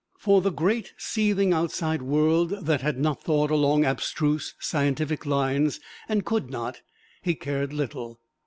For the great, seething, outside world that had not thought along abstruse scientific lines, and could not, he cared little.